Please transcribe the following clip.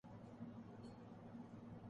ہنسو مت